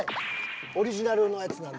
オリジナルのやつなんで。